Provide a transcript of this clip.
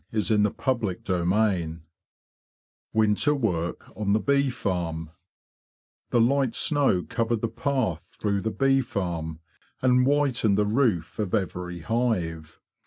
CHAPTER XI WINTER WORK ON THE BEE FARM "THE light snow covered the path through the bee farm, and whitened the roof of every hive.